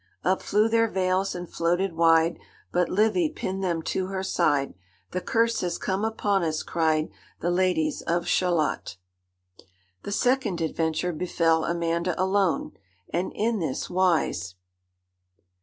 Up flew their veils and floated wide, But Livy pinned them to her side, 'The curse has come upon us!' cried The ladies of Shalott. The second adventure befell Amanda alone, and in this wise.